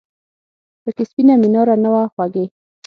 پکې سپینه میناره نه وه خوږې !